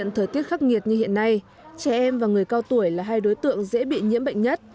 thời tiết khắc nghiệt như hiện nay trẻ em và người cao tuổi là hai đối tượng dễ bị nhiễm bệnh nhất